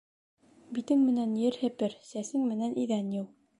Битең менән ер һепер, сәсең менән иҙән йыу.